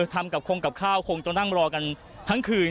ทำกับคงกับข้าวคงจะนั่งรอกันทั้งคืน